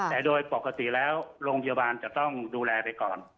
แต่โดยปกติแล้วโรงพยาบาลจะต้องดูแลไปก่อน